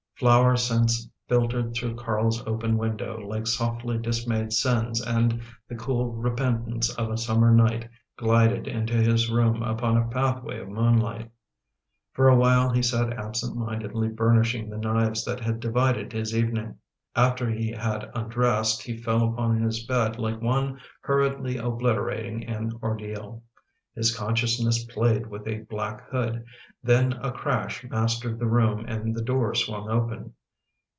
Flower scents filtered through Carl's open window, like softly dismayed sins and the cool repentance of a summer night glided into his room upon a pathway of moonlight For a while he sat absent mindedly burnishing the knives that had divided his evening. After he had undressed he fell upon his bed like one hurriedly obliterating an ordeal. His consciousness played with a black hood; then a crash mastered the room and the door swung open.